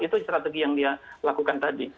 itu strategi yang dia lakukan tadi